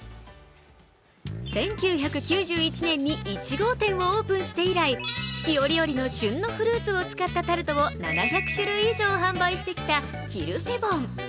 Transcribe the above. １９９１年に１号店をオープンして以来、四季折々の旬のフルーツを使ったタルトを７００種類以上販売してきたキルフェボン。